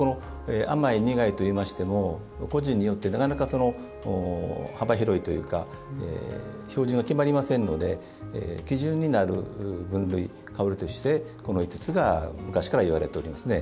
甘い、苦いといいましても個人によってなかなか、幅広いというか標準が決まりませんので基準になる分類、香りとしてこの５つが昔から言われております。